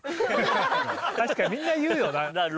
確かにみんな言うよな。